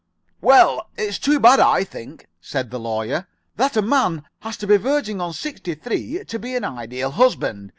"Well, it's too bad, I think," said the Lawyer, "that a man has to be verging on sixty three to be an Ideal Husband.